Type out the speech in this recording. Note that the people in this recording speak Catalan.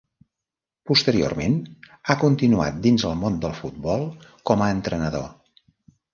Posteriorment, ha continuat dins el món del futbol com a entrenador.